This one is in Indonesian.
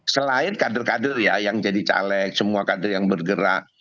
selain kader kader ya yang jadi caleg semua kader yang bergerak